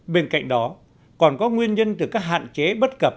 bên cạnh đó còn có nguyên nhân từ các hạn chế bất cập